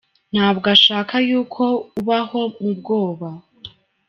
Nta bwo ashaka yuko ubaho mu bwoba.